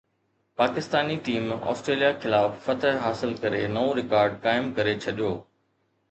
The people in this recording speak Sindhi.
پاڪستاني ٽيم آسٽريليا خلاف فتح حاصل ڪري نئون رڪارڊ قائم ڪري ڇڏيو